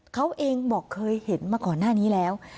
เขาเองบอกเคยเห็นมาก่อนหน้านี้แล้ว